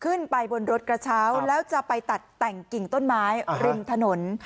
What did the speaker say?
ขึ้นไปบนรถกระเช้าแล้วจะไปตัดแต่งกิ่งต้นไม้ริมถนน